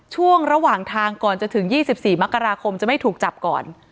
ช่วงระหว่างทางก่อนจะถึง๒๔มกราคมจะไม่ถูกจับก่อน